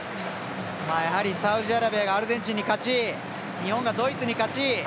やはりサウジアラビアがアルゼンチンに勝ち日本がドイツに勝ち